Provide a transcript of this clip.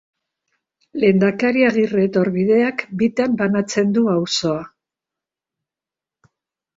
Lehendakari Agirre etorbideak bitan banatzen du auzoa.